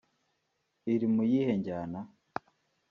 Iri mu yihe njyana